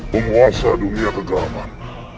penguasa dunia kegelapan